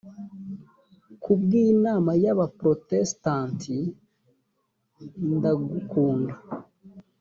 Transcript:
ku bw inama y abaprotestanti ndagukunda